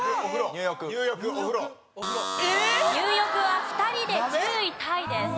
入浴は２人で１０位タイです。